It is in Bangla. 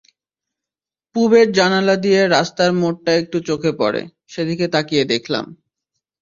পুবের জানালা দিয়ে রাস্তার মোড়টা একটু চোখে পড়ে, সেদিকে তাকিয়ে দেখলাম।